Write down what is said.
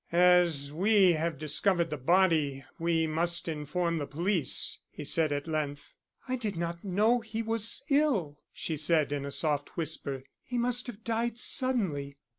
"As we have discovered the body we must inform the police," he said at length. "I did not know he was ill," she said, in a soft whisper. "He must have died suddenly."